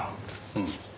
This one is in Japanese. うん。